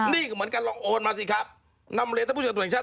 นี่เหมือนกับการโอนมาสิครับ